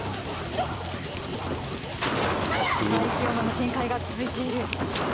息をのむ展開が続いている。